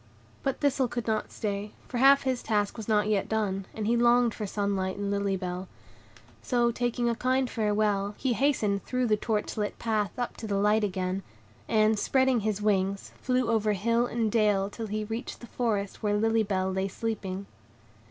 But Thistle could not stay, for half his task was not yet done; and he longed for sunlight and Lily Bell. So, taking a kind farewell, he hastened through the torch lit path up to the light again; and, spreading his wings, flew over hill and dale till he reached the forest where Lily Bell lay sleeping.